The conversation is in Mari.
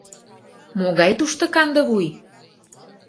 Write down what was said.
— Могай тушто кандывуй!